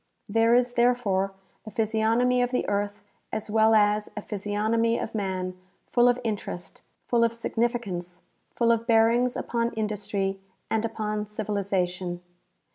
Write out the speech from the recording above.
There is, therefore, a phj^si ognomy of the earth as well as a physiognomy of man, full of interest, full of significance, full of bearings upon industry and upon civilization.